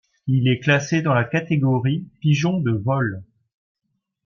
Il est classé dans la catégorie pigeons de vol.